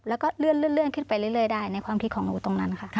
แล้วก็เลื่อนขึ้นไปเรื่อยได้ในความคิดของหนูตรงนั้นค่ะ